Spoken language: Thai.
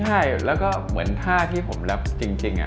ใช่แล้วก็เหมือนท่าที่ผมรับจริง